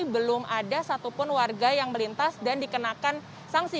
belum ada satupun warga yang melintas dan dikenakan sanksi